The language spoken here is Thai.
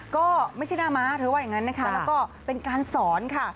ก็ไม่ใช่หน้าม้าเธอว่าอย่างนั้นนะคะแล้วก็เป็นการสอนค่ะ